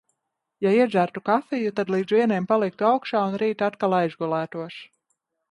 Ja iedzertu kafiju, tad līdz vieniem paliktu augšā un rīt atkal aizgulētos.